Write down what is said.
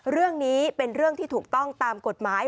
เรื่องนี้เป็นเรื่องที่ถูกต้องตามกฎหมาย